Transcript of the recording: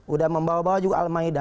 udah membawa bawa juga al maida